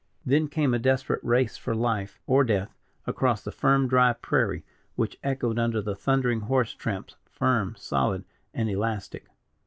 Then came a desperate race, for life or death, across the firm dry prairie, which echoed under the thundering horse tramps firm, solid, and elastic.